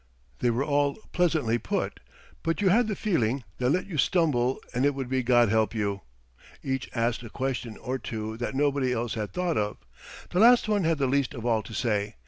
They were all pleasantly put, but you had the feeling that let you stumble and it would be God help you. Each asked a question or two that nobody else had thought of. The last one had the least of all to say.